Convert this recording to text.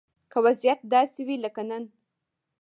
که وضيعت داسې وي لکه نن